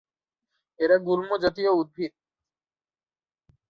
এরা গুল্মজাতীয় উদ্ভিদ।